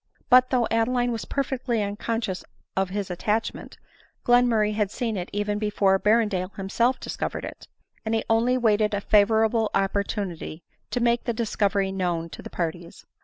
But though Adeline was perfectly unconscious of his attachment, Glenmurray had seen it even before Ber rendale himself discovered it ; and he only waited a favorable opportunity to make the discovery known to the parties.